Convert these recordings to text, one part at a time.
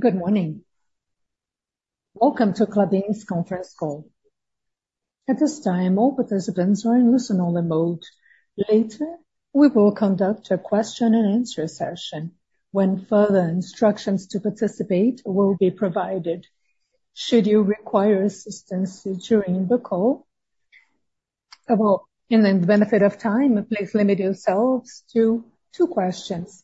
Good morning. Welcome to Klabin's conference call. At this time, all participants are in listener mode. Later, we will conduct a question-and-answer session when further instructions to participate will be provided. Should you require assistance during the call? Well, in the interest of time, please limit yourselves to two questions.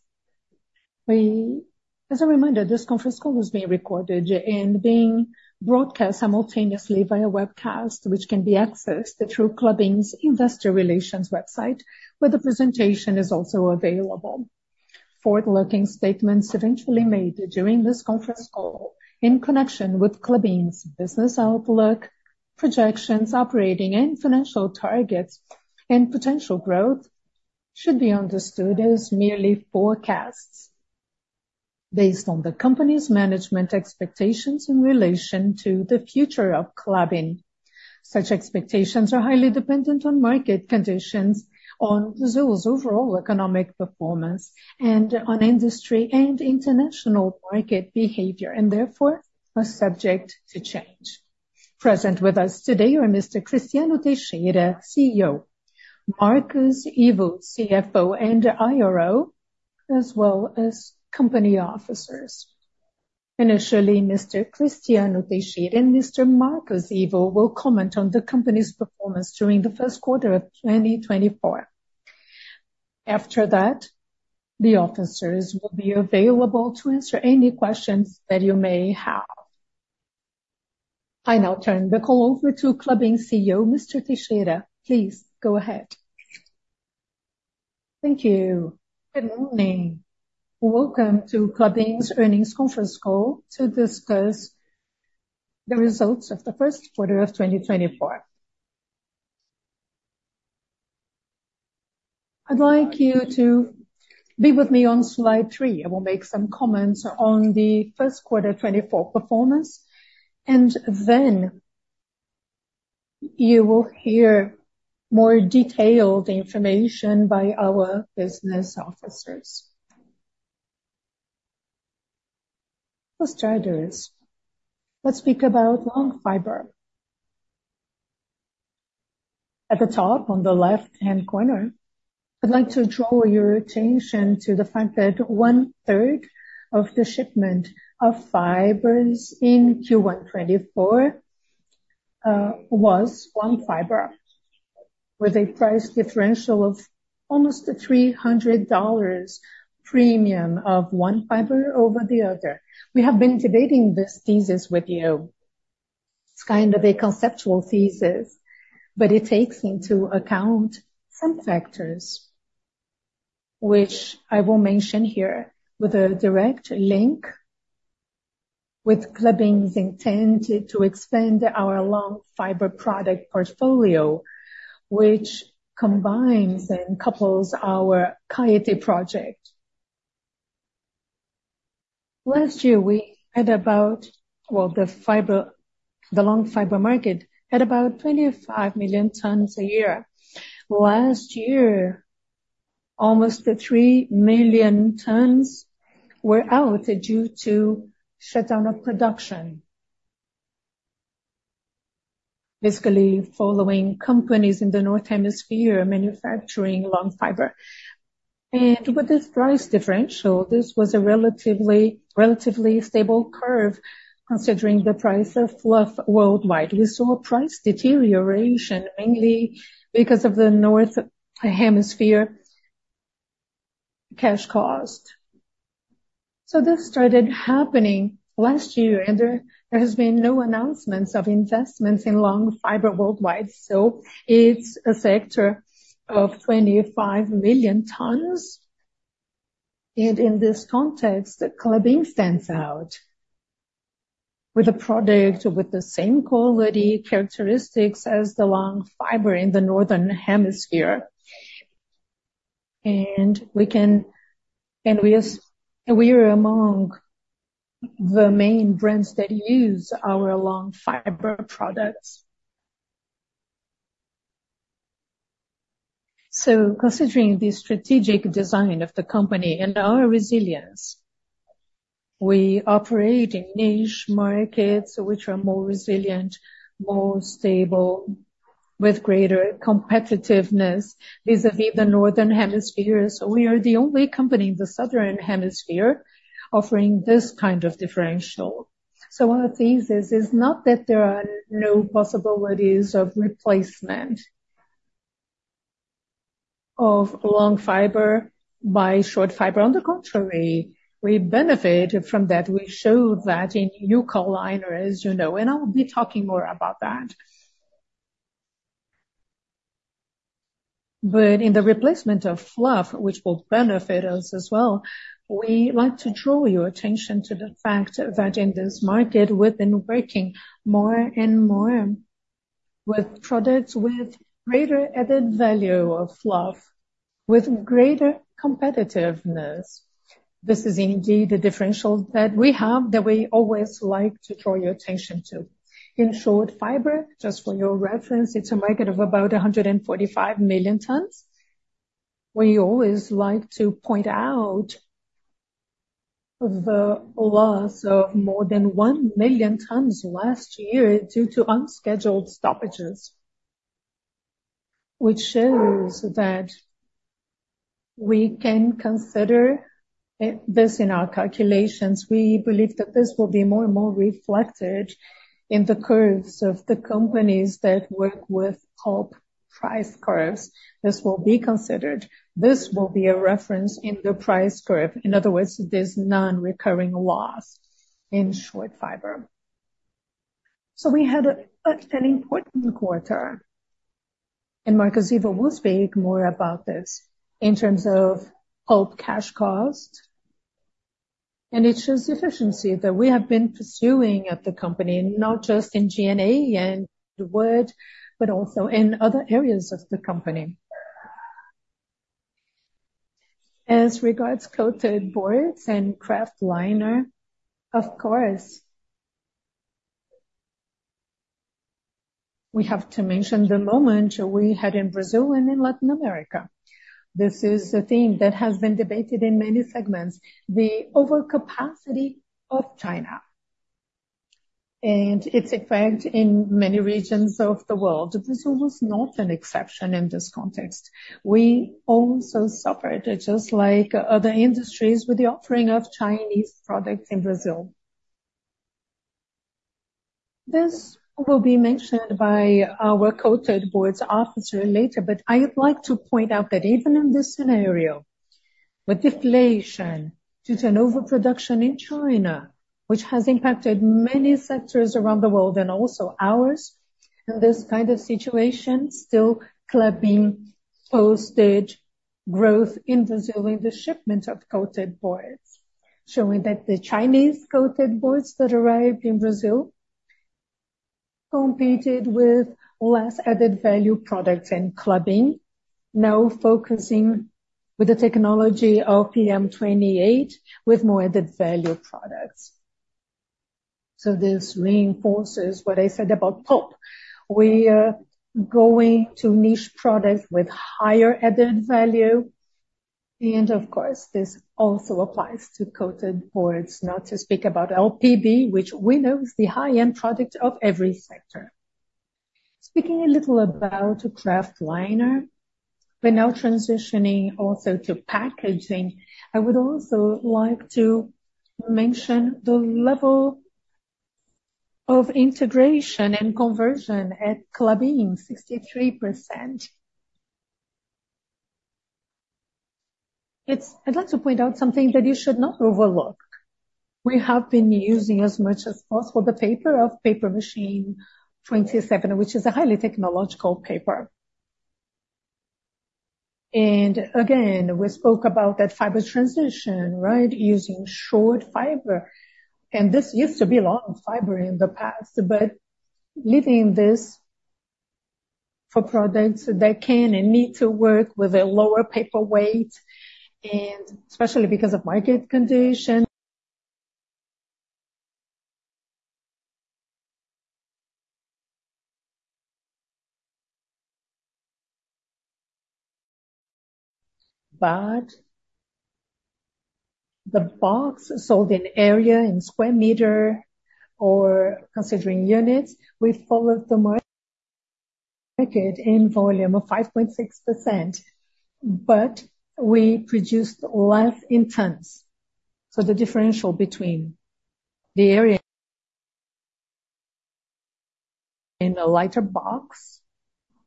We, as a reminder, this conference call is being recorded and being broadcast simultaneously via webcast, which can be accessed through Klabin's investor relations website, where the presentation is also available. Forward-looking statements eventually made during this conference call in connection with Klabin's business outlook, projections, operating and financial targets, and potential growth should be understood as merely forecasts based on the company's management expectations in relation to the future of Klabin. Such expectations are highly dependent on market conditions, on Brazil's overall economic performance, and on industry and international market behavior, and therefore are subject to change. Present with us today are Mr. Cristiano Teixeira, CEO; Marcos Ivo, CFO and IRO; as well as company officers. Initially, Mr. Cristiano Teixeira and Mr. Marcos Ivo will comment on the company's performance during the first quarter of 2024. After that, the officers will be available to answer any questions that you may have. I now turn the call over to Klabin CEO Mr. Teixeira. Please go ahead. Thank you. Good morning. Welcome to Klabin's earnings conference call to discuss the results of the first quarter of 2024. I'd like you to be with me on slide 3. I will make some comments on the first quarter 2024 performance, and then you will hear more detailed information by our business officers. First, let's speak about long fiber. At the top, on the left-hand corner, I'd like to draw your attention to the fact that one-third of the shipment of fibers in Q1 2024 was long fiber, with a price differential of almost $300 premium of one fiber over the other. We have been debating this thesis with you. It's kind of a conceptual thesis, but it takes into account some factors, which I will mention here with a direct link with Klabin's intent to expand our long fiber product portfolio, which combines and couples our Caetê project. Last year, we had about, well, the fiber, the long fiber market had about 25 million tons a year. Last year, almost 3 million tons were out due to shutdown of production, basically following companies in the Northern Hemisphere manufacturing long fiber. With this price differential, this was a relatively, relatively stable curve considering the price of fluff worldwide. We saw price deterioration, mainly because of the Northern Hemisphere cash cost. This started happening last year, and there has been no announcements of investments in long fiber worldwide. It's a sector of 25 million tons. In this context, Klabin stands out with a product with the same quality characteristics as the long fiber in the Northern Hemisphere. We are among the main brands that use our long fiber products. Considering the strategic design of the company and our resilience, we operate in niche markets which are more resilient, more stable, with greater competitiveness vis-à-vis the Northern Hemisphere. We are the only company in the Southern Hemisphere offering this kind of differential. Our thesis is not that there are no possibilities of replacement of long fiber by short fiber. On the contrary, we benefited from that. We showed that in eucalyptus, as you know, and I'll be talking more about that. But in the replacement of fluff, which will benefit us as well, we'd like to draw your attention to the fact that in this market, we've been working more and more with products with greater added value of fluff, with greater competitiveness. This is indeed the differential that we have that we always like to draw your attention to. In short fiber, just for your reference, it's a market of about 145 million tons. We always like to point out the loss of more than 1 million tons last year due to unscheduled stoppages, which shows that we can consider this in our calculations. We believe that this will be more and more reflected in the curves of the companies that work with pulp price curves. This will be considered. This will be a reference in the price curve. In other words, there's non-recurring loss in short fiber. So we had an important quarter, and Marcos Ivo will speak more about this in terms of pulp cash cost and its efficiency that we have been pursuing at the company, not just in G&A and Wood, but also in other areas of the company. As regards coated boards and kraftliner, of course, we have to mention the moment we had in Brazil and in Latin America. This is a theme that has been debated in many segments: the overcapacity of China and its effect in many regions of the world. Brazil was not an exception in this context. We also suffered, just like other industries, with the offering of Chinese products in Brazil. This will be mentioned by our coated boards officer later, but I'd like to point out that even in this scenario, with deflation due to an overproduction in China, which has impacted many sectors around the world and also ours, in this kind of situation, still Klabin posted growth in Brazil in the shipment of coated boards, showing that the Chinese coated boards that arrived in Brazil competed with less added value products in Klabin, now focusing with the technology of PM28 with more added value products. So this reinforces what I said about pulp. We are going to niche products with higher added value. And of course, this also applies to coated boards, not to speak about LPB, which we know is the high-end product of every sector. Speaking a little about kraftliner, we're now transitioning also to packaging. I would also like to mention the level of integration and conversion at Klabin, 63%. It's. I'd like to point out something that you should not overlook. We have been using as much as possible the paper of Paper Machine 27, which is a highly technological paper. And again, we spoke about that fiber transition, right, using short fiber. And this used to be long fiber in the past, but leaving this for products that can and need to work with a lower paper weight, and especially because of market conditions. But the box sold in area and square meter or considering units, we followed the market in volume of 5.6%, but we produced less in tons. So the differential between the area in a lighter box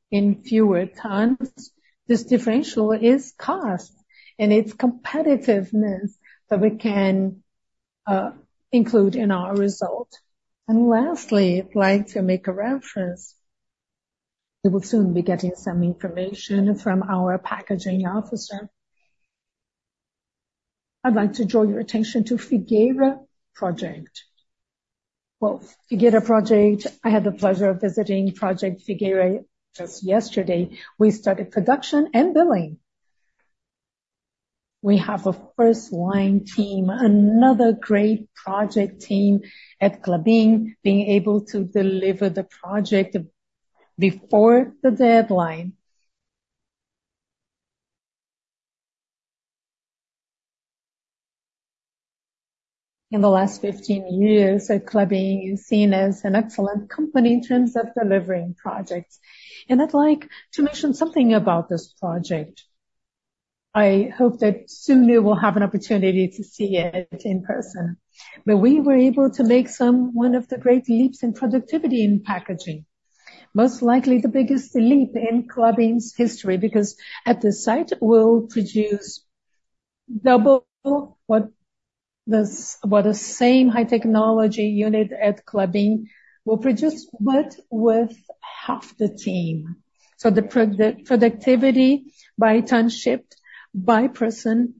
in fewer tons, this differential is cost and its competitiveness that we can include in our result. And lastly, I'd like to make a reference. You will soon be getting some information from our packaging officer. I'd like to draw your attention to Project Figueira. Well, Project Figueira, I had the pleasure of visiting Project Figueira just yesterday. We started production and billing. We have a first-line team, another great project team at Klabin being able to deliver the project before the deadline. In the last 15 years, Klabin is seen as an excellent company in terms of delivering projects. And I'd like to mention something about this project. I hope that soon you will have an opportunity to see it in person. But we were able to make some of the great leaps in productivity in packaging, most likely the biggest leap in Klabin's history because at the site, we'll produce double what the same high-technology unit at Klabin will produce, but with half the team. So the productivity by ton shipped by person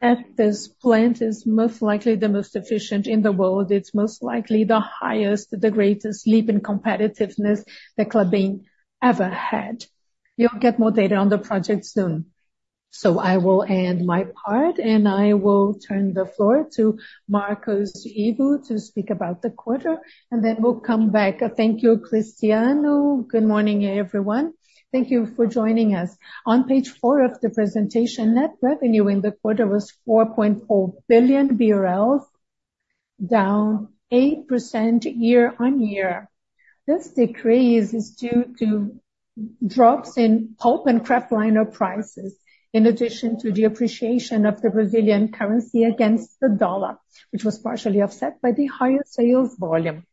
at this plant is most likely the most efficient in the world. It's most likely the highest, the greatest leap in competitiveness that Klabin ever had. You'll get more data on the project soon. So I will end my part, and I will turn the floor to Marcos Ivo to speak about the quarter, and then we'll come back. Thank you, Cristiano. Good morning, everyone. Thank you for joining us. On page 4 of the presentation, net revenue in the quarter was 4.4 billion BRL, down 8% year-over-year. This decrease is due to drops in pulp and kraftliner prices, in addition to depreciation of the Brazilian currency against the dollar, which was partially offset by the higher sales volume.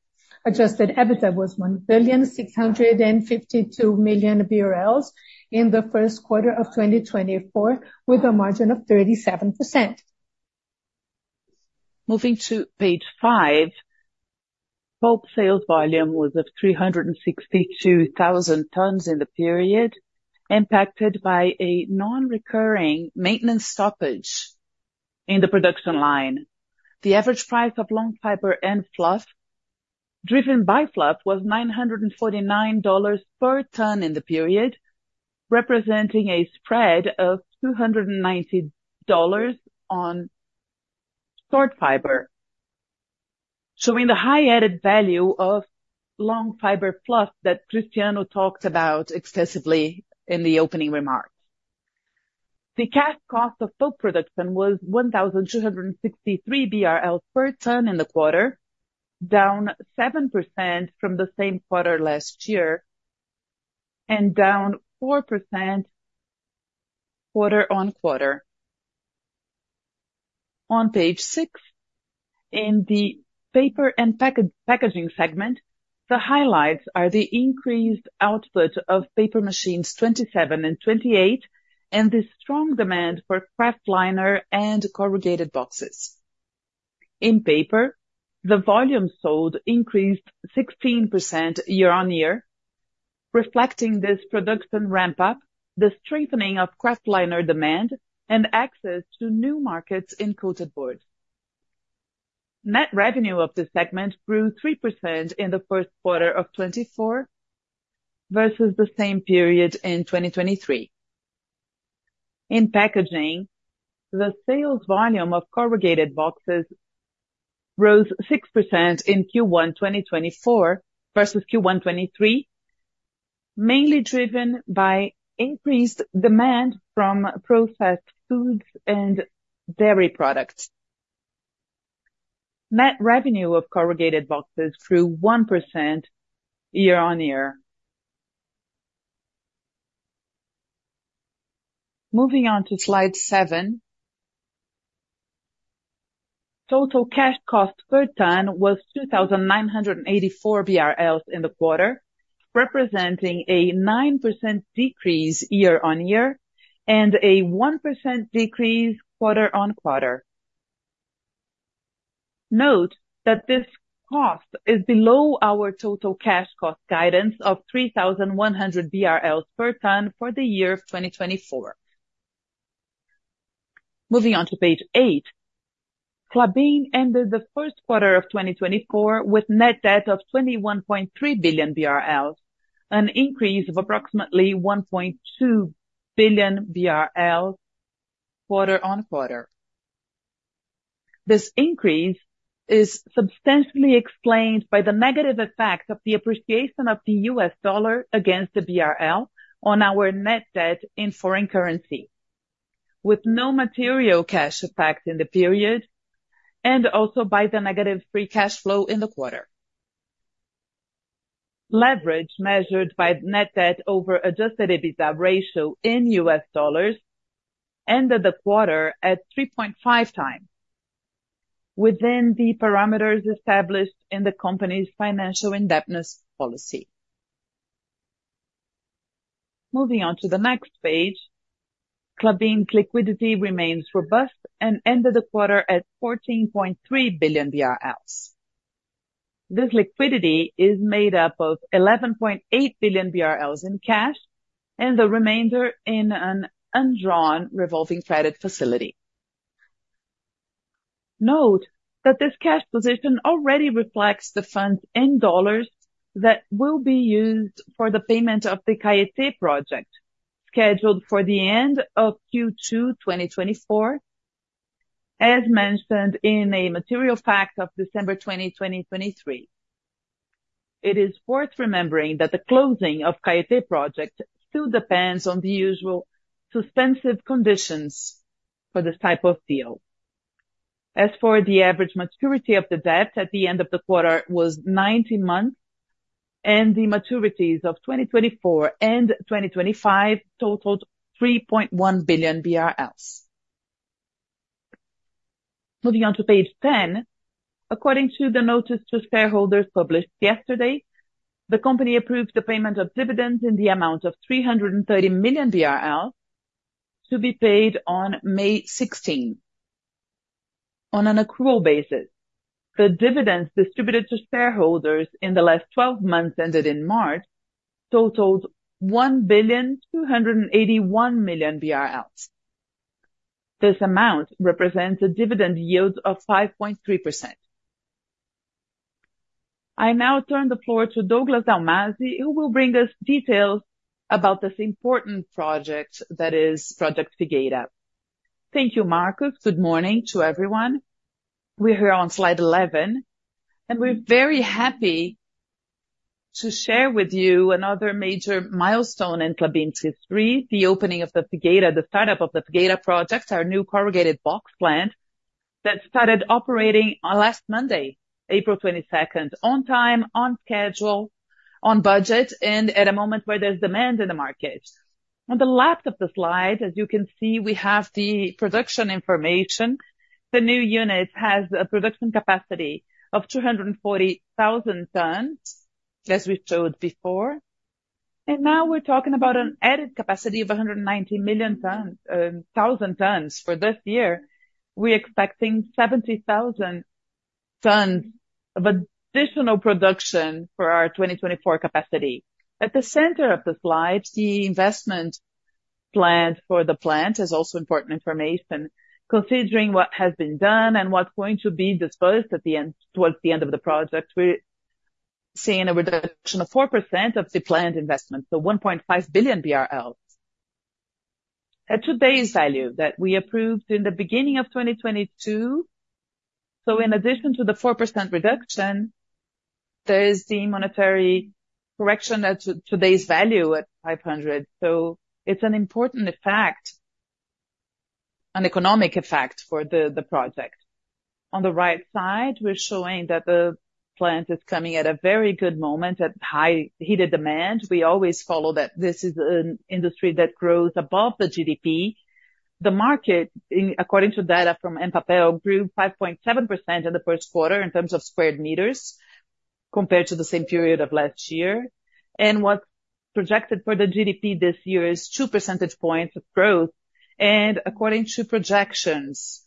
Adjusted EBITDA was 1.652 billion BRL in the first quarter of 2024, with a margin of 37%. Moving to page 5, pulp sales volume was 362,000 tons in the period, impacted by a non-recurring maintenance stoppage in the production line. The average price of long fiber and fluff driven by fluff was $949 per ton in the period, representing a spread of $290 on short fiber, showing the high added value of long fiber fluff that Cristiano talked about extensively in the opening remarks. The cash cost of pulp production was 1,263 BRL per ton in the quarter, down 7% from the same quarter last year and down 4% quarter-on-quarter. On page 6, in the paper and packaging segment, the highlights are the increased output of Paper Machines 27 and 28 and the strong demand for kraftliner and corrugated boxes. In paper, the volume sold increased 16% year-over-year, reflecting this production ramp-up, the strengthening of kraftliner demand, and access to new markets in coated boards. Net revenue of this segment grew 3% in the first quarter of 2024 versus the same period in 2023. In packaging, the sales volume of corrugated boxes rose 6% in Q1 2024 versus Q1 2023, mainly driven by increased demand from processed foods and dairy products. Net revenue of corrugated boxes grew 1% year-over-year. Moving on to slide 7, total cash cost per ton was 2,984 BRL in the quarter, representing a 9% decrease year-over-year and a 1% decrease quarter-over-quarter. Note that this cost is below our total cash cost guidance of 3,100 BRL per ton for the year 2024. Moving on to page 8, Klabin ended the first quarter of 2024 with net debt of 21.3 billion BRL, an increase of approximately 1.2 billion BRL quarter-over-quarter. This increase is substantially explained by the negative effect of the appreciation of the US dollar against the BRL on our net debt in foreign currency, with no material cash effect in the period, and also by the negative free cash flow in the quarter. Leverage measured by net debt over Adjusted EBITDA ratio in US dollars ended the quarter at 3.5 times, within the parameters established in the company's financial indebtedness policy. Moving on to the next page, Klabin's liquidity remains robust and ended the quarter at 14.3 billion BRL. This liquidity is made up of 11.8 billion BRL in cash and the remainder in an undrawn revolving credit facility. Note that this cash position already reflects the funds in US dollars that will be used for the payment of the Caetê project scheduled for the end of Q2 2024, as mentioned in a material fact of December 20, 2023. It is worth remembering that the closing of Caetê project still depends on the usual suspensive conditions for this type of deal. As for the average maturity of the debt at the end of the quarter, it was 90 months, and the maturities of 2024 and 2025 totaled BRL 3.1 billion. Moving on to page 10, according to the notice to shareholders published yesterday, the company approved the payment of dividends in the amount of 330 million BRL to be paid on May 16 on an accrual basis. The dividends distributed to shareholders in the last 12 months ended in March totaled 1.281 billion. This amount represents a dividend yield of 5.3%. I now turn the floor to Douglas Dalmazi, who will bring us details about this important project that is Project Figueira. Thank you, Marcos. Good morning to everyone. We're here on slide 11, and we're very happy to share with you another major milestone in Klabin's history, the opening of the Figueira, the startup of the Figueira project, our new corrugated box plant that started operating last Monday, April 22nd, on time, on schedule, on budget, and at a moment where there's demand in the market. On the left of the slide, as you can see, we have the production information. The new unit has a production capacity of 240,000 tons, as we showed before. Now we're talking about an added capacity of 190,000 tons for this year. We're expecting 70,000 tons of additional production for our 2024 capacity. At the center of the slide, the investment plan for the plant is also important information. Considering what has been done and what's going to be disposed at the end towards the end of the project, we're seeing a reduction of 4% of the planned investment, so 1.5 billion BRL, at today's value that we approved in the beginning of 2022. So in addition to the 4% reduction, there is the monetary correction at today's value at 500. So it's an important effect, an economic effect for the project. On the right side, we're showing that the plant is coming at a very good moment at heightened demand. We always say that this is an industry that grows above the GDP. The market, according to data from Empapel, grew 5.7% in the first quarter in terms of square meters compared to the same period of last year. What's projected for the GDP this year is two percentage points of growth. According to projections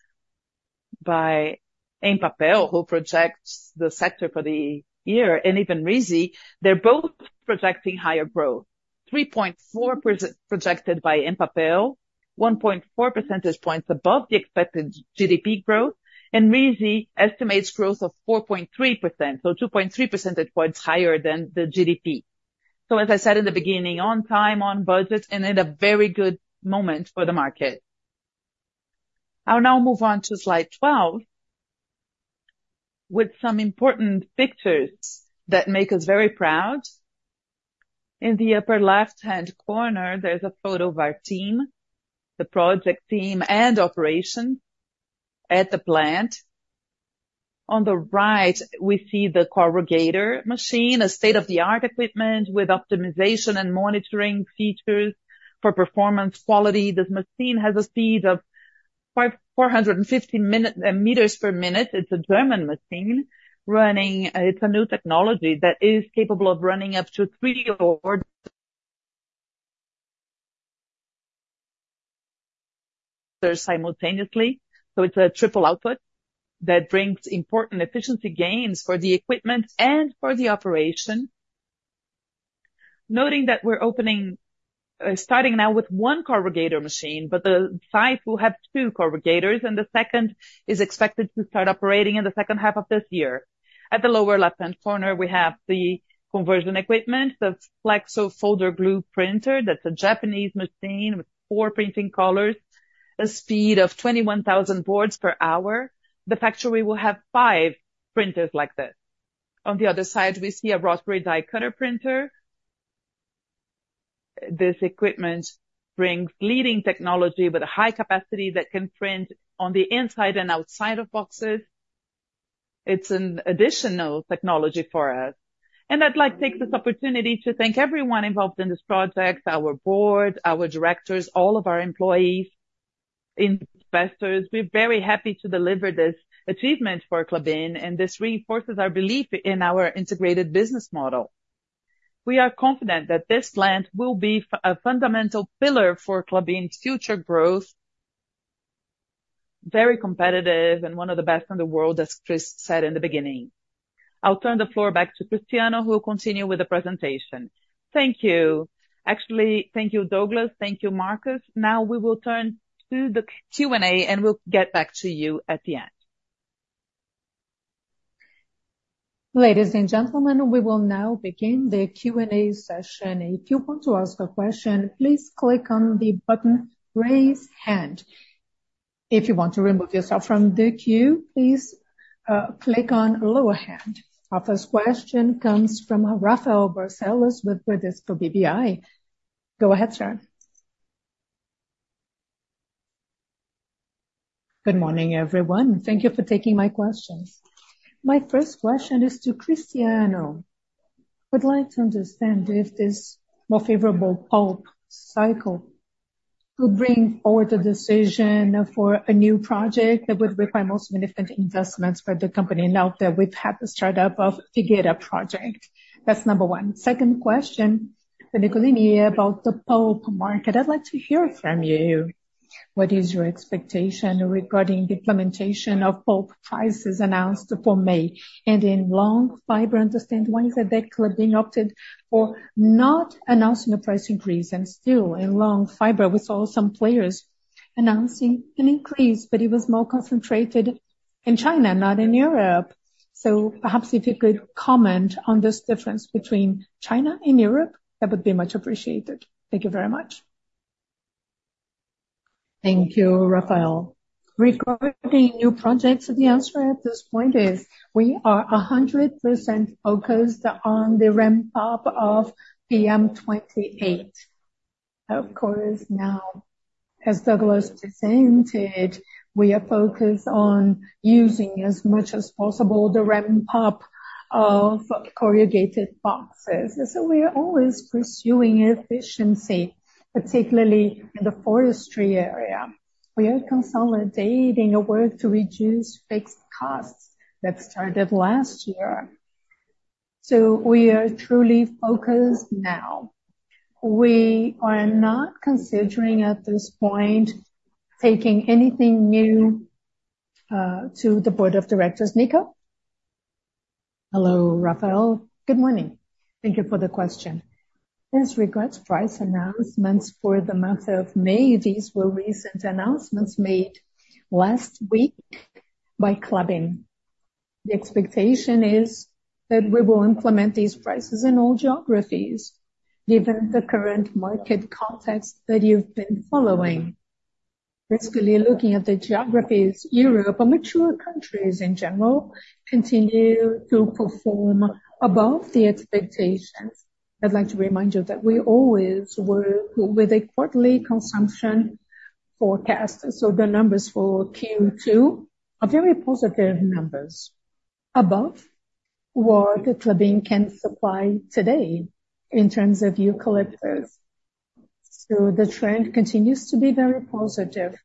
by Empapel, who projects the sector for the year, and even RISI, they're both projecting higher growth, 3.4% projected by Empapel, 1.4 percentage points above the expected GDP growth, and RISI estimates growth of 4.3%, so two percentage points higher than the GDP. So as I said in the beginning, on time, on budget, and at a very good moment for the market. I'll now move on to slide 12 with some important pictures that make us very proud. In the upper left-hand corner, there's a photo of our team, the project team and operations at the plant. On the right, we see the corrugator machine, a state-of-the-art equipment with optimization and monitoring features for performance quality. This machine has a speed of 450 meters per minute. It's a German machine running. It's a new technology that is capable of running up to three orders simultaneously. So it's a triple output that brings important efficiency gains for the equipment and for the operation. Noting that we're opening, starting now with one corrugator machine, but the site will have two corrugators, and the second is expected to start operating in the second half of this year. At the lower left-hand corner, we have the conversion equipment, the flexo folder gluer. That's a Japanese machine with four printing collars, a speed of 21,000 boards per hour. The factory will have five printers like this. On the other side, we see a rotary die cutter printer. This equipment brings leading technology with a high capacity that can print on the inside and outside of boxes. It's an additional technology for us. I'd like to take this opportunity to thank everyone involved in this project, our board, our directors, all of our employees, and investors. We're very happy to deliver this achievement for Klabin, and this reinforces our belief in our integrated business model. We are confident that this plant will be a fundamental pillar for Klabin's future growth, very competitive, and one of the best in the world, as Chris said in the beginning. I'll turn the floor back to Cristiano, who will continue with the presentation. Thank you. Actually, thank you, Douglas. Thank you, Marcos. Now we will turn to the Q&A, and we'll get back to you at the end. Ladies and gentlemen, we will now begin the Q&A session. If you want to ask a question, please click on the button "Raise Hand." If you want to remove yourself from the queue, please click on "Lower Hand." Our first question comes from Rafael Barcelos with Bradesco BBI. Go ahead, sir. Good morning, everyone. Thank you for taking my questions. My first question is to Cristiano. I would like to understand if this more favorable pulp cycle could bring forward the decision for a new project that would require more significant investments for the company now that we've had the startup of Figueira project. That's number one. Second question, Alexandre Nicolini, about the pulp market. I'd like to hear from you. What is your expectation regarding the implementation of pulp prices announced for May? In long fiber, I understand one is that Klabin opted for not announcing a price increase and still, in long fiber, we saw some players announcing an increase, but it was more concentrated in China, not in Europe. So perhaps if you could comment on this difference between China and Europe, that would be much appreciated. Thank you very much. Thank you, Rafael. Regarding new projects, the answer at this point is we are 100% focused on the ramp-up of PM28. Of course, now, as Douglas presented, we are focused on using as much as possible the ramp-up of corrugated boxes. So we are always pursuing efficiency, particularly in the forestry area. We are consolidating our work to reduce fixed costs that started last year. So we are truly focused now. We are not considering at this point taking anything new to the board of directors. Nico? Hello, Rafael. Good morning. Thank you for the question. In regards to price announcements for the month of May, these were recent announcements made last week by Klabin. The expectation is that we will implement these prices in all geographies, given the current market context that you've been following. Basically, looking at the geographies, Europe, and mature countries in general continue to perform above the expectations. I'd like to remind you that we always work with a quarterly consumption forecast. So the numbers for Q2 are very positive numbers, above what Klabin can supply today in terms of eucalyptus. So the trend continues to be very positive.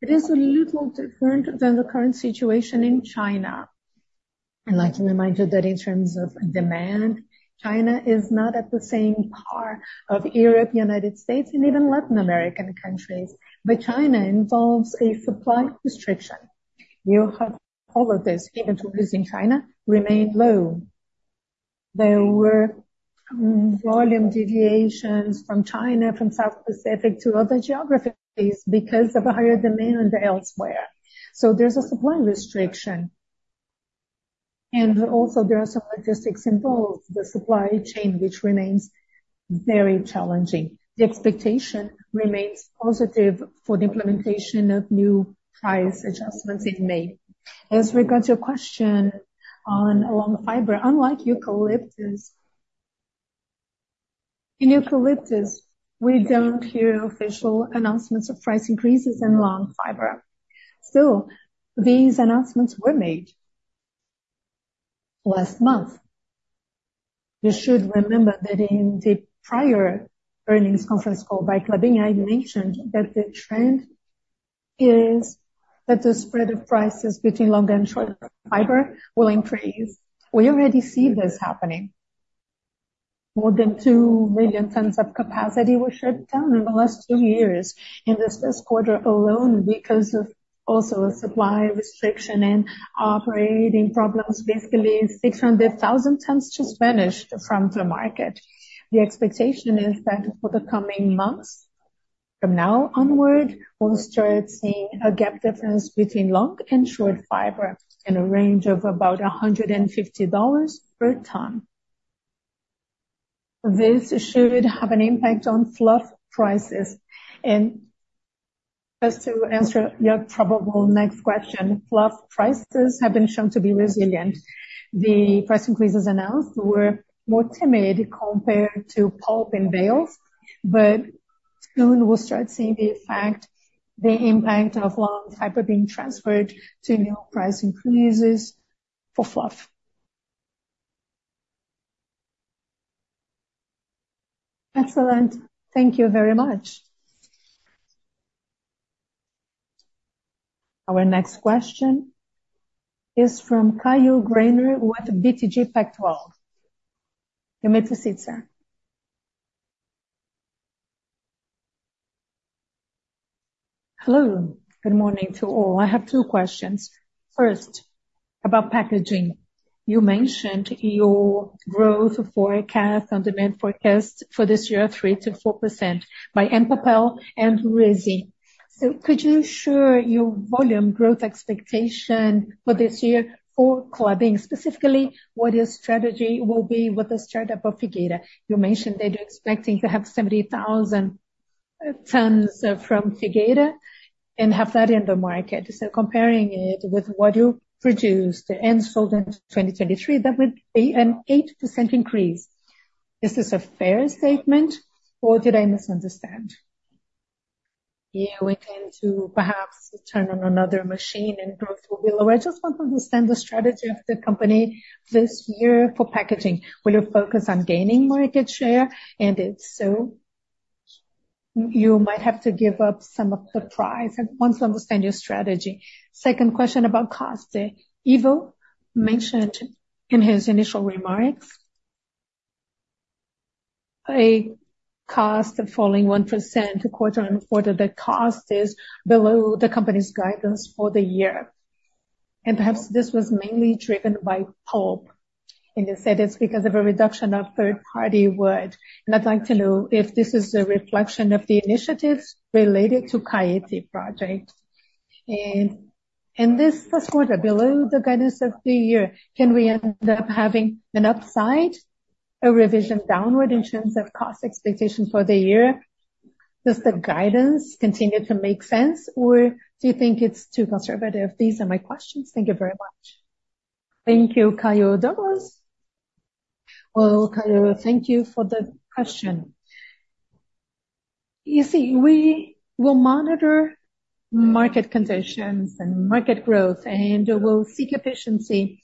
It is a little different than the current situation in China. I'd like to remind you that in terms of demand, China is not at the same par of Europe, United States, and even Latin American countries. But China involves a supply restriction. You have all of this, even tourism in China, remain low. There were volume deviations from China, from the South Pacific, to other geographies because of a higher demand elsewhere. So there's a supply restriction. And also, there are some logistics involved. The supply chain, which remains very challenging. The expectation remains positive for the implementation of new price adjustments in May. As regards to your question on long fiber, unlike eucalyptus, in eucalyptus, we don't hear official announcements of price increases in long fiber. Still, these announcements were made last month. You should remember that in the prior earnings conference call by Klabin, I mentioned that the trend is that the spread of prices between long and short fiber will increase. We already see this happening. More than 2 million tons of capacity were shut down in the last two years in this first quarter alone because of also a supply restriction and operating problems. Basically, 600,000 tons just vanished from the market. The expectation is that for the coming months, from now onward, we'll start seeing a gap difference between long and short fiber in a range of about $150 per ton. This should have an impact on fluff prices. And just to answer your probable next question, fluff prices have been shown to be resilient. The price increases announced were more timid compared to pulp and bales, but soon we'll start seeing the impact of long fiber being transferred to new price increases for fluff. Excellent. Thank you very much. Our next question is from Caio Greiner with BTG Pactual. You may proceed, sir. Hello. Good morning to all. I have two questions. First, about packaging. You mentioned your growth forecast on demand forecast for this year, 3%-4%, by Empapel and RISI. So could you share your volume growth expectation for this year for Klabin? Specifically, what your strategy will be with the startup of Figueira? You mentioned they're expecting to have 70,000 tons from Figueira and have that in the market. So comparing it with what you produced and sold in 2023, that would be an 8% increase. Is this a fair statement, or did I misunderstand? Yeah, we tend to perhaps turn on another machine, and growth will be lower. I just want to understand the strategy of the company this year for packaging. Will you focus on gaining market share? And if so, you might have to give up some of the price. I want to understand your strategy. Second question about cost. Ivo mentioned in his initial remarks costs falling 1% quarter-over-quarter. The cost is below the company's guidance for the year. Perhaps this was mainly driven by pulp. He said it's because of a reduction of third-party wood. I'd like to know if this is a reflection of the initiatives related to Caetê project. In this first quarter, below the guidance of the year, can we end up having an upside, a revision downward in terms of cost expectation for the year? Does the guidance continue to make sense, or do you think it's too conservative? These are my questions. Thank you very much. Thank you, Caio. Douglas. Well, Caio, thank you for the question. You see, we will monitor market conditions and market growth, and we'll seek efficiency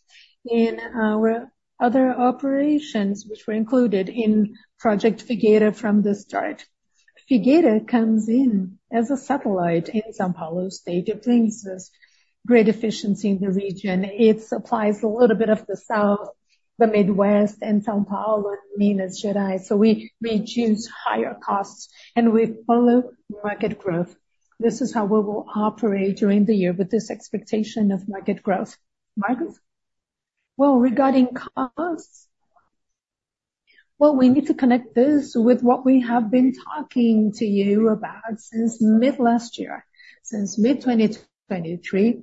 in our other operations, which were included in Project Figueira from the start. Figueira comes in as a satellite in São Paulo. State of things is great efficiency in the region. It supplies a little bit of the south, the Midwest, and São Paulo, Minas Gerais. So we reduce higher costs, and we follow market growth. This is how we will operate during the year with this expectation of market growth. Marcos? Well, regarding costs, well, we need to connect this with what we have been talking to you about since mid-last year, since mid-2023.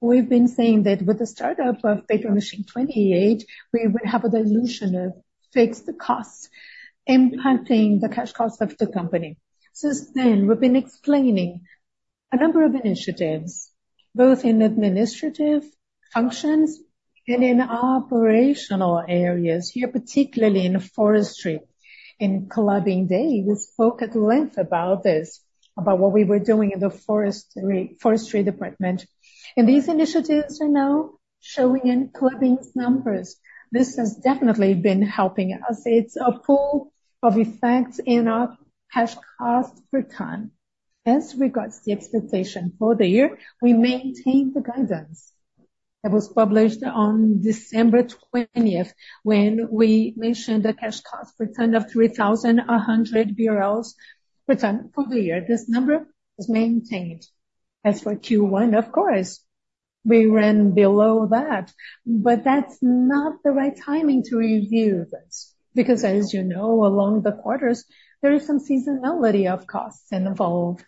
We've been saying that with the startup of Paper Machine 28, we would have a dilution of fixed costs impacting the cash cost of the company. Since then, we've been explaining a number of initiatives, both in administrative functions and in operational areas here, particularly in forestry. In Klabin Day, we spoke at length about this, about what we were doing in the forestry department. These initiatives are now showing in Klabin's numbers. This has definitely been helping us. It's a pull of effects in our cash cost per ton. As regards to the expectation for the year, we maintain the guidance that was published on December 20th when we mentioned a cash cost per ton of 3,100 BRL per ton for the year. This number was maintained. As for Q1, of course, we ran below that. But that's not the right timing to review this because, as you know, along the quarters, there is some seasonality of costs involved.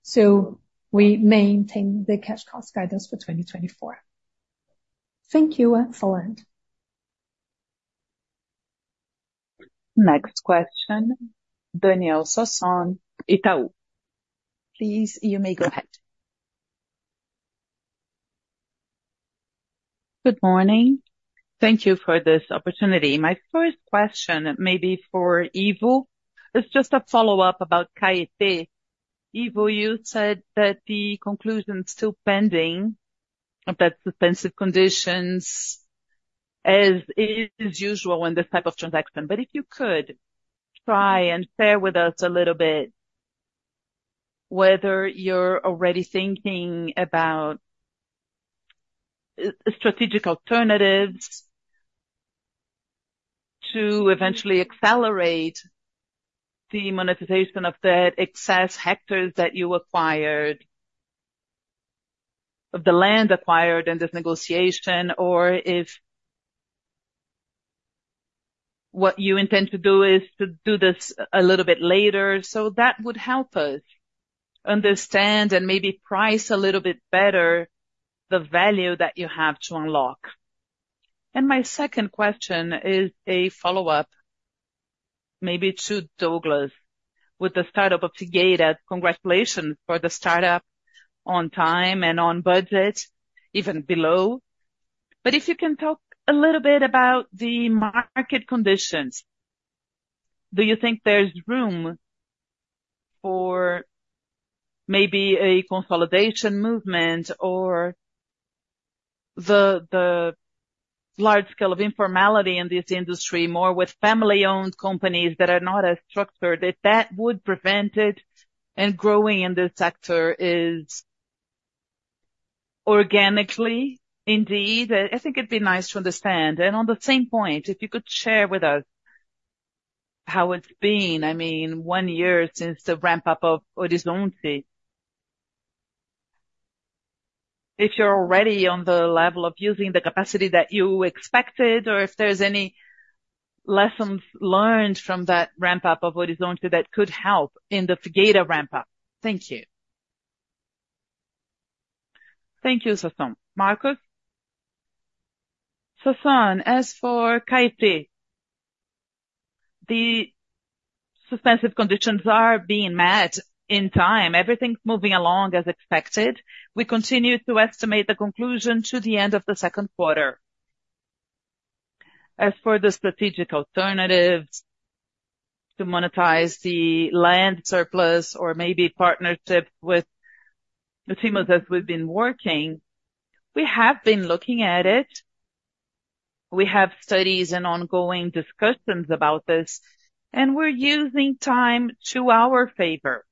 So we maintain the cash cost guidance for 2024. Thank you. Excellent. Next question, Daniel Sasson, Itaú. Please, you may go ahead. Good morning. Thank you for this opportunity. My first question, maybe for Ivo, is just a follow-up about Caetê. Ivo, you said that the conclusion is still pending of that suspensive conditions, as is usual in this type of transaction. But if you could try and share with us a little bit whether you're already thinking about strategic alternatives to eventually accelerate the monetization of that excess hectares that you acquired, of the land acquired in this negotiation, or if what you intend to do is to do this a little bit later. So that would help us understand and maybe price a little bit better the value that you have to unlock. My second question is a follow-up, maybe to Douglas, with the startup of Figueira. Congratulations for the startup on time and on budget, even below. But if you can talk a little bit about the market conditions, do you think there's room for maybe a consolidation movement or the large scale of informality in this industry, more with family-owned companies that are not as structured? If that would prevent it and growing in this sector is organically, indeed, I think it'd be nice to understand. And on the same point, if you could share with us how it's been, I mean, one year since the ramp-up of Horizonte, if you're already on the level of using the capacity that you expected or if there's any lessons learned from that ramp-up of Horizonte that could help in the Figueira ramp-up. Thank you. Thank you, Sasson. Marcos? Sasson, as for Caetê, the suspensive conditions are being met in time. Everything's moving along as expected. We continue to estimate the conclusion to the end of the second quarter. As for the strategic alternatives to monetize the land surplus or maybe partnerships with the teams that we've been working, we have been looking at it. We have studies and ongoing discussions about this. We're using time to our favor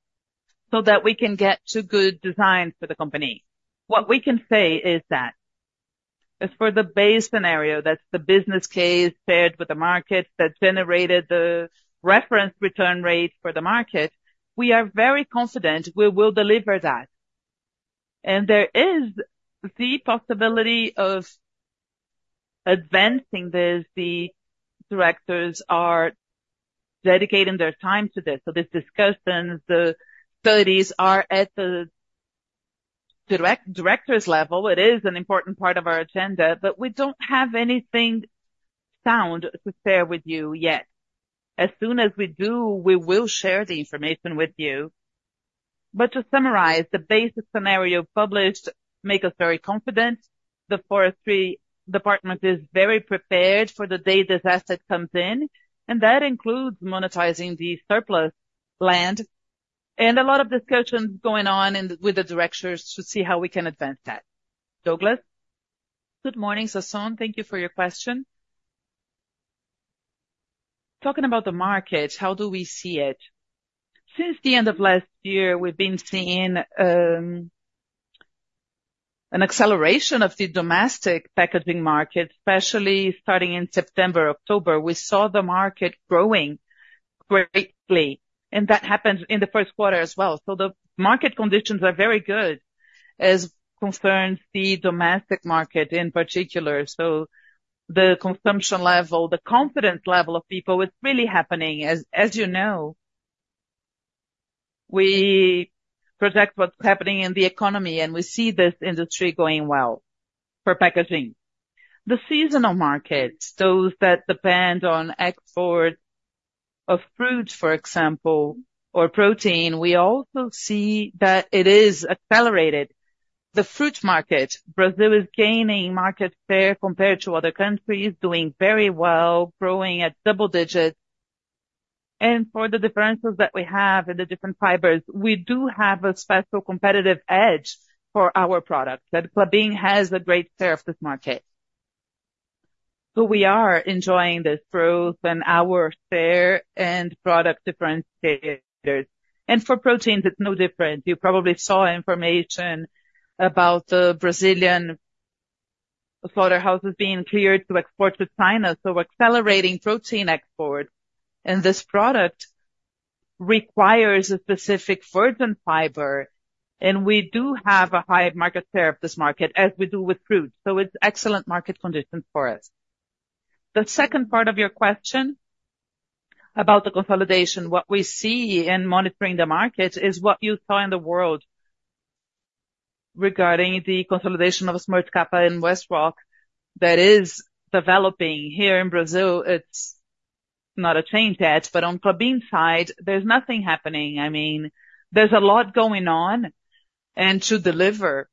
so that we can get to good designs for the company. What we can say is that as for the base scenario, that's the business case paired with the markets that generated the reference return rate for the market, we are very confident we will deliver that. There is the possibility of advancing this. The directors are dedicating their time to this. These discussions, the studies are at the directors' level. It is an important part of our agenda, but we don't have anything sound to share with you yet. As soon as we do, we will share the information with you. To summarize, the basic scenario published makes us very confident. The forestry department is very prepared for the day disaster comes in. That includes monetizing the surplus land and a lot of discussions going on with the directors to see how we can advance that. Douglas? Good morning, Sasson. Thank you for your question. Talking about the market, how do we see it? Since the end of last year, we've been seeing an acceleration of the domestic packaging market, especially starting in September, October. We saw the market growing greatly. That happened in the first quarter as well. The market conditions are very good as concerns the domestic market in particular. The consumption level, the confidence level of people, it's really happening. As you know, we project what's happening in the economy, and we see this industry going well for packaging. The seasonal markets, those that depend on export of fruit, for example, or protein, we also see that it is accelerated. The fruit market, Brazil is gaining market share compared to other countries, doing very well, growing at double digits. For the differences that we have in the different fibers, we do have a special competitive edge for our products. Klabin has a great share of this market. We are enjoying this growth in our share and product differentiators. For proteins, it's no different. You probably saw information about the Brazilian slaughterhouse being cleared to export to China. We're accelerating protein export. This product requires a specific virgin fiber. We do have a high market share of this market as we do with fruit. It's excellent market conditions for us. The second part of your question about the consolidation, what we see in monitoring the market is what you saw in the world regarding the consolidation of Smurfit Kappa in WestRock that is developing here in Brazil. It's not a change yet, but on Klabin's side, there's nothing happening. I mean, there's a lot going on. To deliver,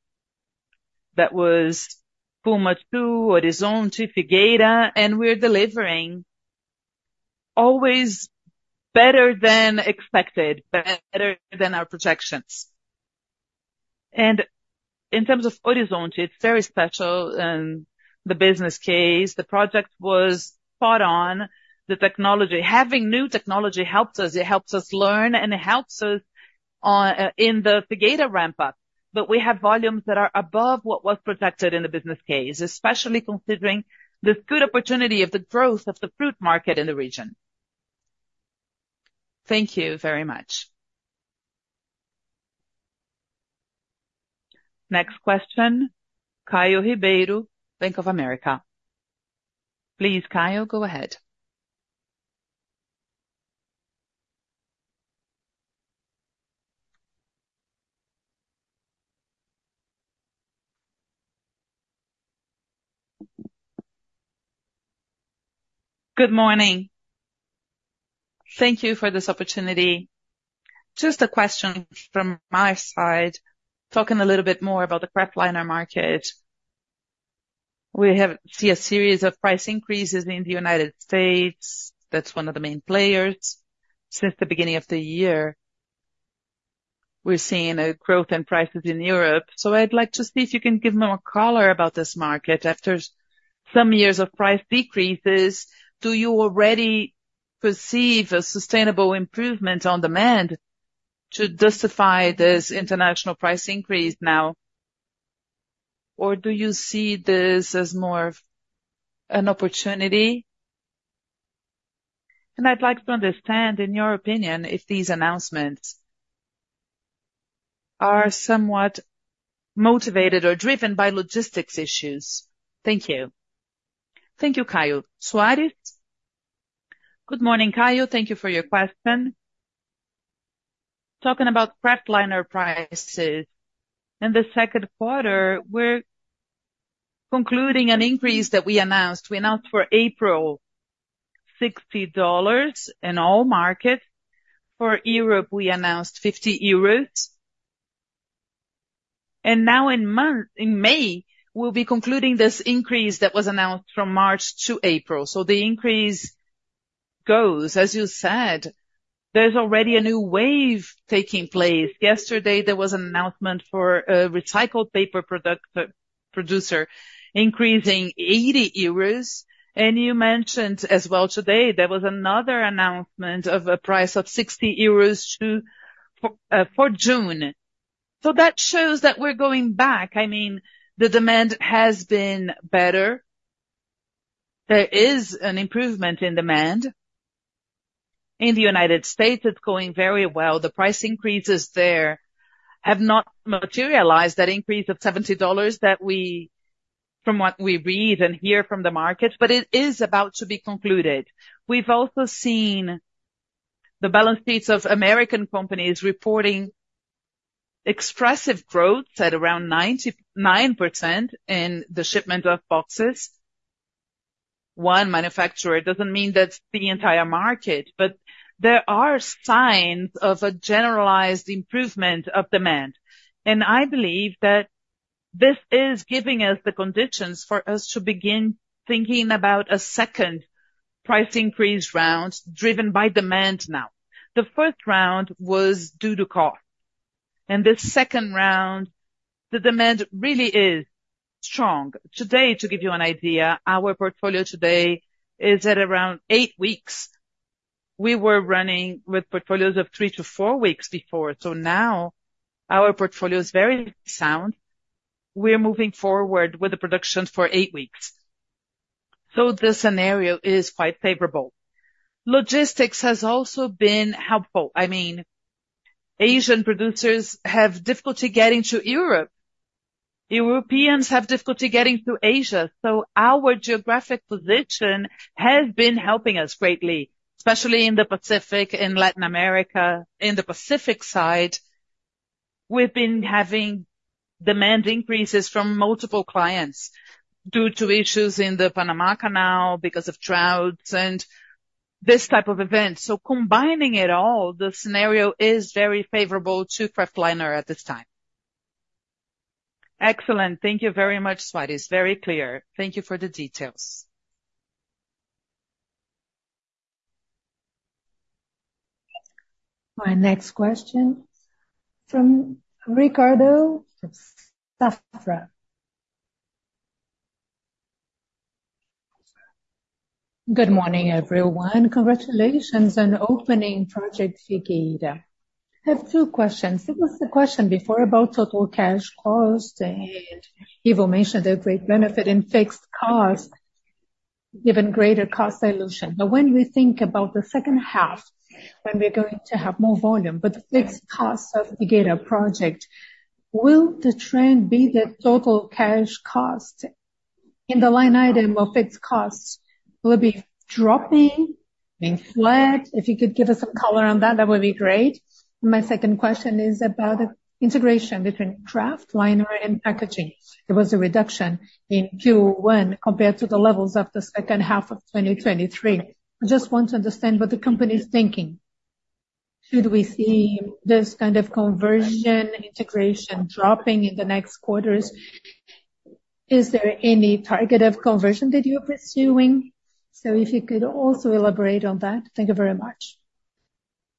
that was Puma II, Horizonte, Figueira. We're delivering always better than expected, better than our projections. In terms of Horizonte, it's very special in the business case. The project was spot on. The technology, having new technology, helps us. It helps us learn, and it helps us in the Figueira ramp-up. But we have volumes that are above what was projected in the business case, especially considering this good opportunity of the growth of the fruit market in the region. Thank you very much. Next question, Caio Ribeiro, Bank of America. Please, Caio, go ahead. Good morning. Thank you for this opportunity. Just a question from my side, talking a little bit more about the kraftliner market. We see a series of price increases in the United States. That's one of the main players. Since the beginning of the year, we're seeing growth in prices in Europe. So I'd like to see if you can give me more color about this market. After some years of price decreases, do you already perceive a sustainable improvement on demand to justify this international price increase now? Or do you see this as more of an opportunity? And I'd like to understand, in your opinion, if these announcements are somewhat motivated or driven by logistics issues. Thank you. Thank you, Caio. Soares? Good morning, Caio. Thank you for your question. Talking about kraftliner prices, in the second quarter, we're concluding an increase that we announced. We announced for April, $60 in all markets. For Europe, we announced 50 euros. Now in May, we'll be concluding this increase that was announced from March to April. The increase goes. As you said, there's already a new wave taking place. Yesterday, there was an announcement for a recycled paper producer increasing 80 euros. You mentioned as well today there was another announcement of a price of 60 euros for June. That shows that we're going back. I mean, the demand has been better. There is an improvement in demand. In the United States, it's going very well. The price increases there have not materialized, that increase of $70 that we, from what we read and hear from the market, but it is about to be concluded. We've also seen the balance sheets of American companies reporting expressive growths at around 99% in the shipment of boxes. One manufacturer doesn't mean that's the entire market, but there are signs of a generalized improvement of demand. I believe that this is giving us the conditions for us to begin thinking about a second price increase round driven by demand now. The first round was due to cost. In this second round, the demand really is strong. Today, to give you an idea, our portfolio today is at around eight weeks. We were running with portfolios of three to four weeks before. Now our portfolio is very sound. We're moving forward with the production for eight weeks. The scenario is quite favorable. Logistics has also been helpful. I mean, Asian producers have difficulty getting to Europe. Europeans have difficulty getting to Asia. So our geographic position has been helping us greatly, especially in the Pacific, in Latin America. In the Pacific side, we've been having demand increases from multiple clients due to issues in the Panama Canal because of droughts and this type of event. So combining it all, the scenario is very favorable to kraftliner at this time. Excellent. Thank you very much, Soares. Very clear. Thank you for the details. My next question from Ricardo Safra. Good morning, everyone. Congratulations on opening Project Figueira. I have two questions. It was the question before about total cash cost. Ivo mentioned the great benefit in fixed costs, given greater cost dilution. But when we think about the second half, when we're going to have more volume, but the fixed costs of the Figueira project, will the trend be that total cash cost in the line item of fixed costs will be dropping, being flat? If you could give us some color on that, that would be great. My second question is about the integration between kraftliner and packaging. There was a reduction in Q1 compared to the levels of the second half of 2023. I just want to understand what the company is thinking. Should we see this kind of conversion, integration dropping in the next quarters? Is there any targeted conversion that you're pursuing? So if you could also elaborate on that, thank you very much.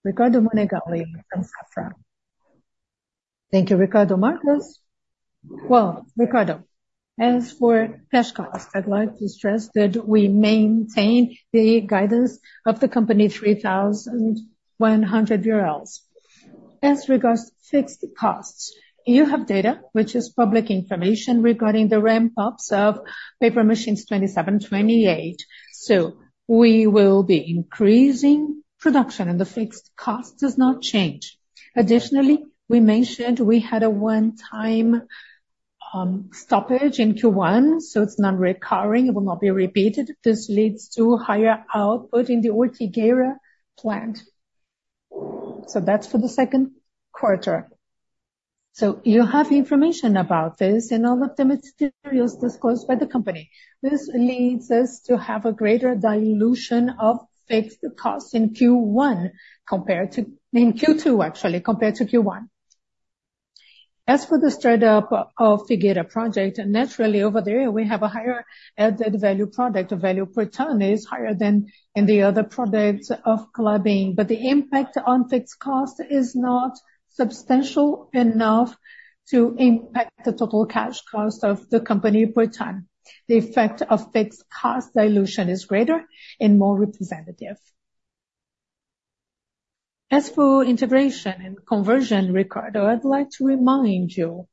Ricardo Monegaglia from Safra. Thank you, Ricardo. Marcos? Well, Ricardo, as for cash costs, I'd like to stress that we maintain the guidance of the company 3,100 BRL. As regards to fixed costs, you have data, which is public information regarding the ramp-ups of paper machines 27 and 28. So we will be increasing production, and the fixed cost does not change. Additionally, we mentioned we had a one-time stoppage in Q1, so it's not recurring. It will not be repeated. This leads to higher output in the Ortigueira plant. So that's for the second quarter. So you have information about this in all of the materials disclosed by the company. This leads us to have a greater dilution of fixed costs in Q2 compared to in Q1, actually, compared to Q1. As for the startup of Figueira project, naturally, over the year, we have a higher added value product. The value per ton is higher than in the other products of Klabin. But the impact on fixed cost is not substantial enough to impact the total cash cost of the company per ton. The effect of fixed cost dilution is greater and more representative. As for integration and conversion, Ricardo, I'd like to remind you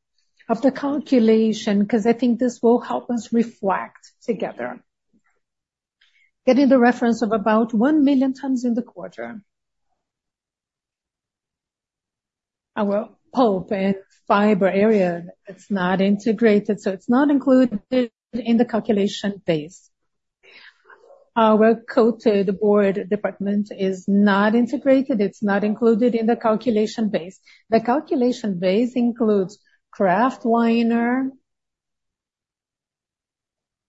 of the calculation because I think this will help us reflect together. Getting the reference of about 1,000,000 tons in the quarter. Our pulp and fiber area, it's not integrated, so it's not included in the calculation base. Our coated board department is not integrated. It's not included in the calculation base. The calculation base includes kraftliner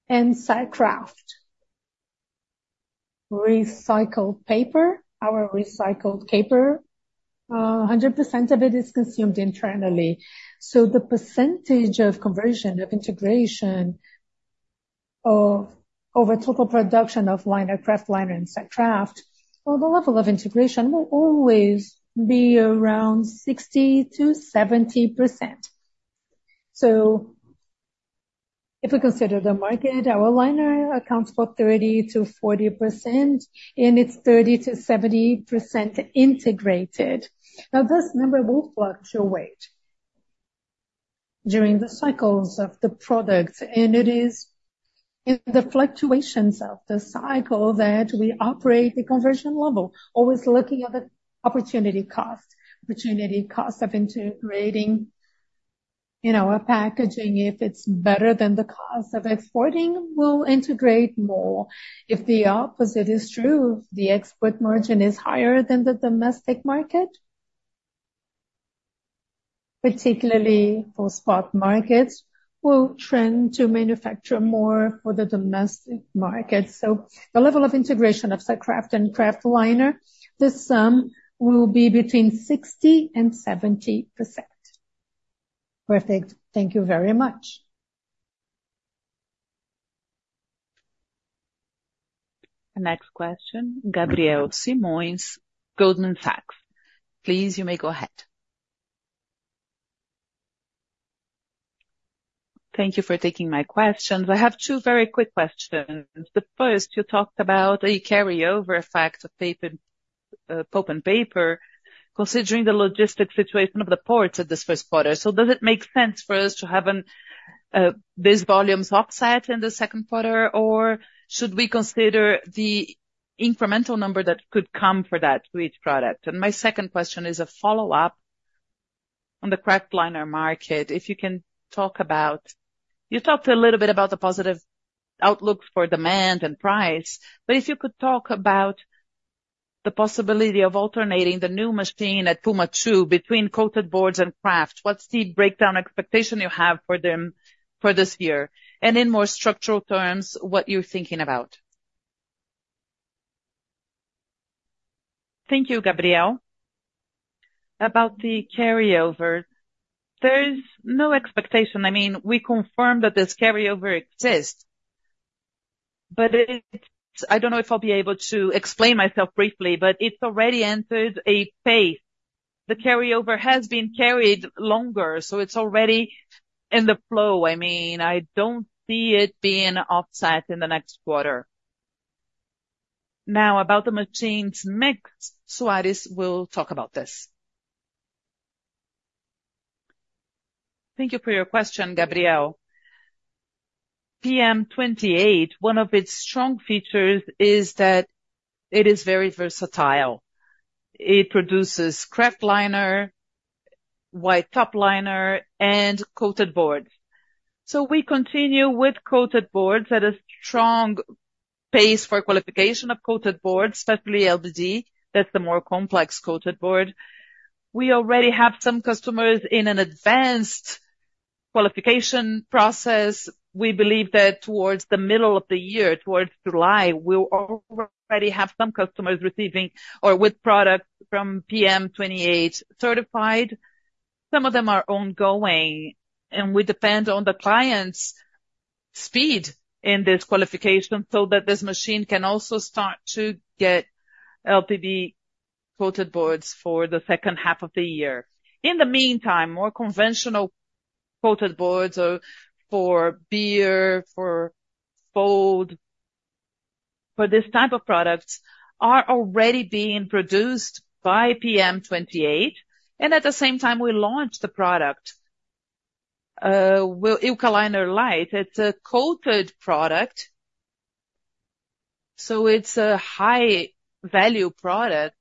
and sack kraft. Recycled paper, our recycled paper, 100% of it is consumed internally. So the percentage of conversion, of integration, of over-total production of liner, kraft liner, and sack kraft, well, the level of integration will always be around 60%-70%. So if we consider the market, our liner accounts for 30%-40%, and it's 30%-70% integrated. Now, this number will fluctuate during the cycles of the product. And it is in the fluctuations of the cycle that we operate the conversion level, always looking at the opportunity cost, opportunity cost of integrating in our packaging. If it's better than the cost of exporting, we'll integrate more. If the opposite is true, the export margin is higher than the domestic market, particularly for spot markets, we'll trend to manufacture more for the domestic market. So the level of integration of sack kraft and kraft liner, this sum will be between 60%-70%. Perfect. Thank you very much. The next question, Gabrielle Simões, Goldman Sachs. Please, you may go ahead. Thank you for taking my questions. I have two very quick questions. The first, you talked about a carryover effect of pulp and paper considering the logistic situation of the ports in this first quarter. So does it make sense for us to have this volume's offset in the second quarter, or should we consider the incremental number that could come for each product? And my second question is a follow-up on the kraftliner market. If you can talk about the positive outlooks for demand and price. But if you could talk about the possibility of alternating the new machine at Puma II between coated boards and kraftliner, what's the breakdown expectation you have for them for this year? And in more structural terms, what you're thinking about. Thank you, Gabrielle. About the carryover, there's no expectation. I mean, we confirm that this carryover exists. But I don't know if I'll be able to explain myself briefly, but it's already entered a phase. The carryover has been carried longer, so it's already in the flow. I mean, I don't see it being offset in the next quarter. Now, about the machines mixed, Soares will talk about this. Thank you for your question, Gabrielle. PM28, one of its strong features is that it is very versatile. It produces kraftliner, white top liner, and coated boards. So we continue with coated boards. That is a strong pace for qualification of coated boards, especially LPB. That's the more complex coated board. We already have some customers in an advanced qualification process. We believe that towards the middle of the year, towards July, we'll already have some customers receiving or with products from PM28 certified. Some of them are ongoing, and we depend on the client's speed in this qualification so that this machine can also start to get LPD coated boards for the second half of the year. In the meantime, more conventional coated boards for beer, for folding, for this type of products are already being produced by PM28. And at the same time, we launched the product, Eukaliner Light. It's a coated product. So it's a high-value product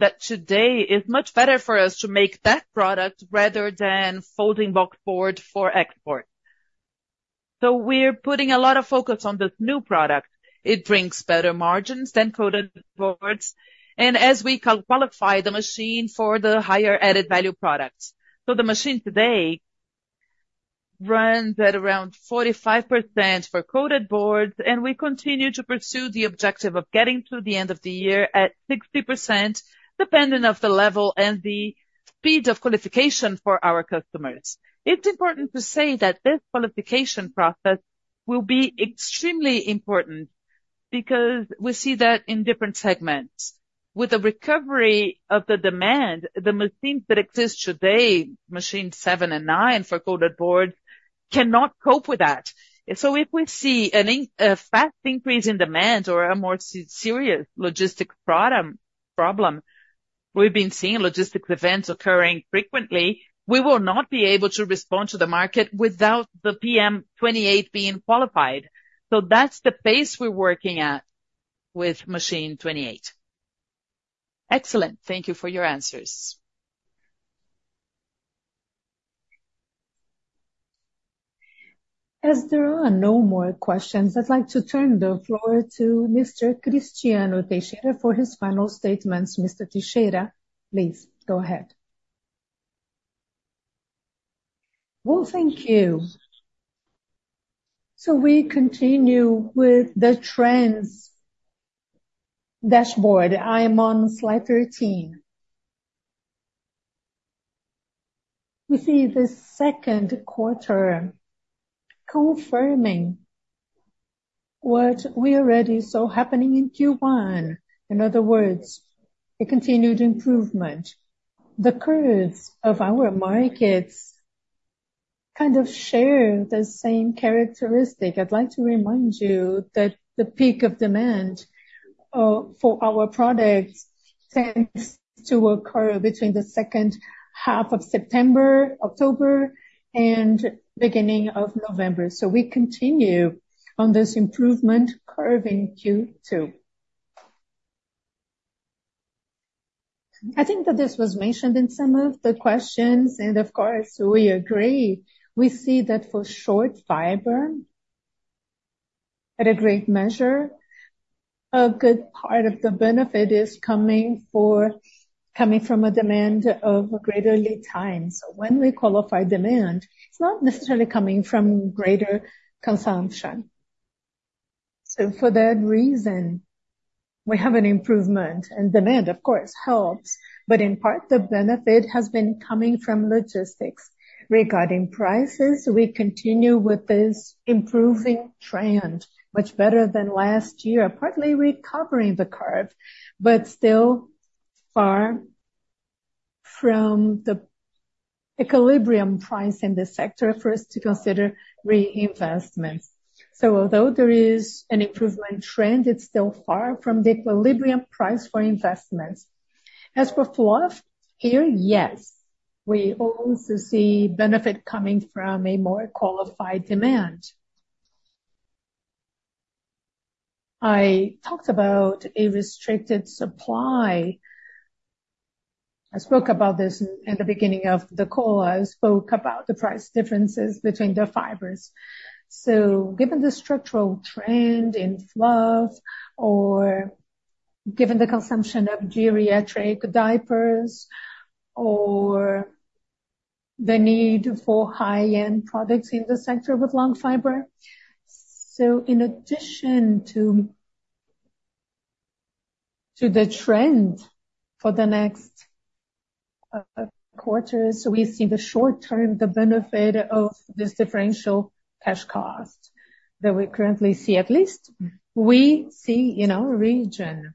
that today is much better for us to make that product rather than folding box board for export. So we're putting a lot of focus on this new product. It brings better margins than coated boards. And as we qualify the machine for the higher added value products. So the machine today runs at around 45% for coated boards, and we continue to pursue the objective of getting to the end of the year at 60% depending on the level and the speed of qualification for our customers. It's important to say that this qualification process will be extremely important because we see that in different segments. With the recovery of the demand, the machines that exist today, machines 7 and 9 for coated boards, cannot cope with that. So if we see a fast increase in demand or a more serious logistics problem, we've been seeing logistics events occurring frequently, we will not be able to respond to the market without the PM28 being qualified. So that's the pace we're working at with machine 28. Excellent. Thank you for your answers. As there are no more questions, I'd like to turn the floor to Mr. Cristiano Teixeira for his final statements. Mr. Teixeira, please go ahead. Well, thank you. So we continue with the trends dashboard. I am on slide 13. We see the second quarter confirming what we already saw happening in Q1. In other words, the continued improvement. The curves of our markets kind of share the same characteristic. I'd like to remind you that the peak of demand for our products tends to occur between the second half of September, October, and beginning of November. So we continue on this improvement curve in Q2. I think that this was mentioned in some of the questions. And of course, we agree. We see that for short fiber, at a great measure, a good part of the benefit is coming from a demand of greater lead time. So when we qualify demand, it's not necessarily coming from greater consumption. For that reason, we have an improvement. Demand, of course, helps. In part, the benefit has been coming from logistics. Regarding prices, we continue with this improving trend much better than last year, partly recovering the curve, but still far from the equilibrium price in the sector for us to consider reinvestments. Although there is an improvement trend, it's still far from the equilibrium price for investments. As for fluff here, yes, we also see benefit coming from a more qualified demand. I talked about a restricted supply. I spoke about this in the beginning of the call. I spoke about the price differences between the fibers. So given the structural trend in fluff or given the consumption of geriatric diapers or the need for high-end products in the sector with long fiber, so in addition to the trend for the next quarters, we see the short-term benefit of this differential cash cost that we currently see, at least. We see a region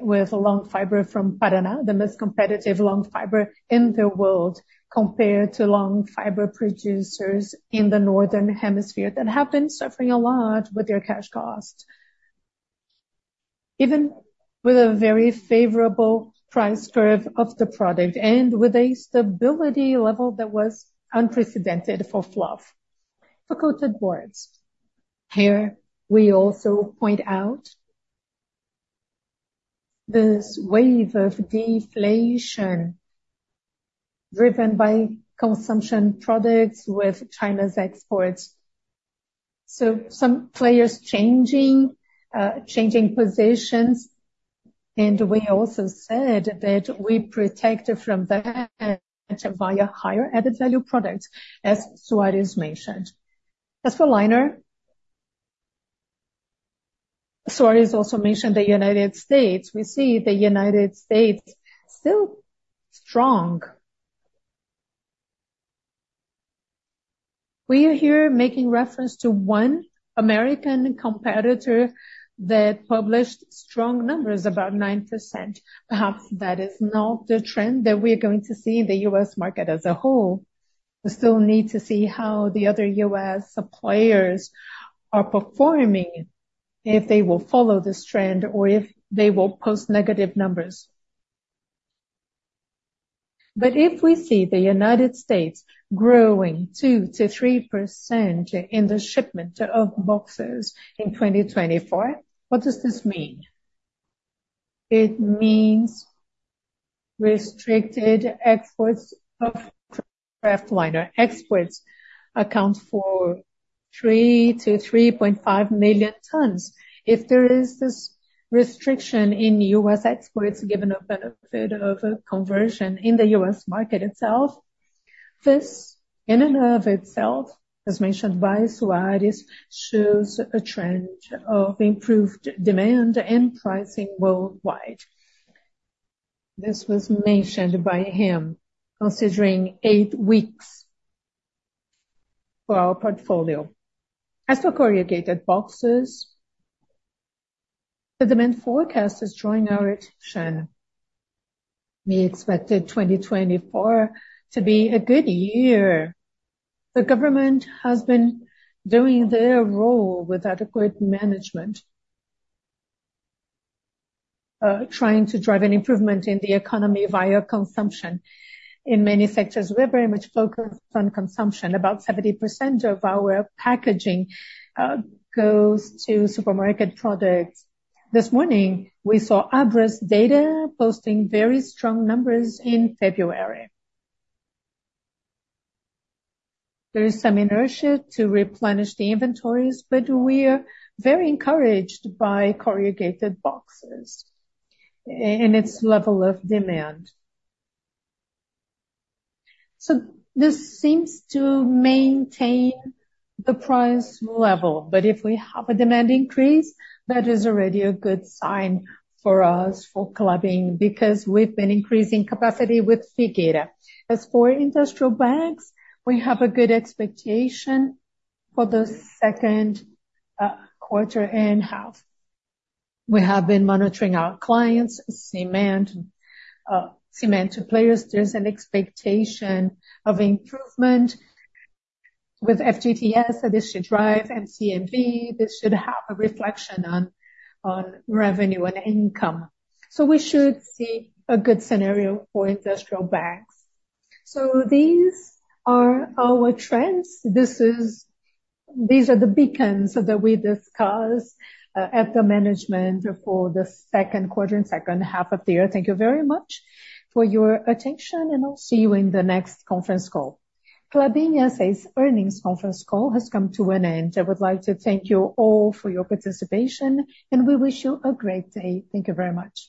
with long fiber from Paraná, the most competitive long fiber in the world, compared to long fiber producers in the northern hemisphere that have been suffering a lot with their cash cost, even with a very favorable price curve of the product and with a stability level that was unprecedented for fluff. For coated boards, here, we also point out this wave of deflation driven by consumption products with China's exports. So some players changing positions. And we also said that we protect from that via higher added value products, as Soares mentioned. As for liner, Soares also mentioned the United States. We see the United States still strong. We are here making reference to one American competitor that published strong numbers, about 9%. Perhaps that is not the trend that we are going to see in the U.S. market as a whole. We still need to see how the other U.S. suppliers are performing, if they will follow this trend or if they will post negative numbers. But if we see the United States growing 2%-3% in the shipment of boxes in 2024, what does this mean? It means restricted exports of kraftliner. Exports account for 3-3.5 million tons. If there is this restriction in U.S. exports, given a benefit of a conversion in the U.S. market itself, this, in and of itself, as mentioned by Soares, shows a trend of improved demand and pricing worldwide. This was mentioned by him considering 8 weeks for our portfolio. As for corrugated boxes, the demand forecast is drawing our attention. We expected 2024 to be a good year. The government has been doing their role with adequate management, trying to drive an improvement in the economy via consumption in many sectors. We're very much focused on consumption. About 70% of our packaging goes to supermarket products. This morning, we saw ABRAS data posting very strong numbers in February. There is some inertia to replenish the inventories, but we are very encouraged by corrugated boxes and its level of demand. So this seems to maintain the price level. But if we have a demand increase, that is already a good sign for us for Klabin because we've been increasing capacity with Figueira. As for industrial bags, we have a good expectation for the second quarter and half. We have been monitoring our clients, cement players. There's an expectation of improvement with FGTS that this should drive and MCMV. This should have a reflection on revenue and income. We should see a good scenario for industrial bags. These are our trends. These are the beacons that we discussed at the management for the second quarter, second half of the year. Thank you very much for your attention. And I'll see you in the next conference call. Klabin S.A.'s earnings conference call has come to an end. I would like to thank you all for your participation, and we wish you a great day. Thank you very much.